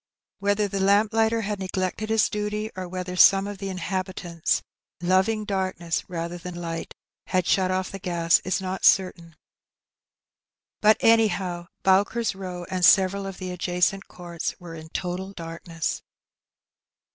Whether the lamplighter had neglected his duty, or whether some of the inhabitants, " loving darkness rather than Kght," had shut off^ the gas, is not certain; but anyhow Bowker's Row and several of the adjacent courts we e in total darkness.